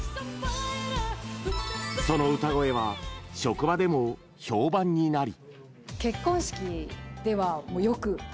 その歌声は職場でも評判になり。